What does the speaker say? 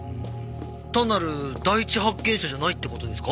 単なる第一発見者じゃないって事ですか？